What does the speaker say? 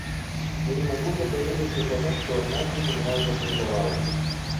Ну не могу я довериться тому, кто однажды меня уже предавал.